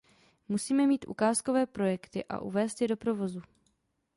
Musíme mít ukázkové projekty a uvést je do provozu.